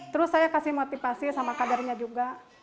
terus saya kasih motivasi sama kadernya juga